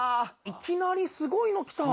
いきなりすごいの来た。